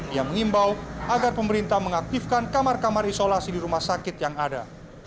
ia mengimbau agar pemerintah mengaktifkan kamar kamar isolasi di rumah sakit yang ada